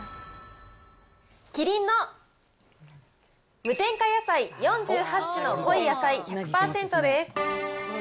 キリンの無添加野菜４８種の濃い野菜１００％です。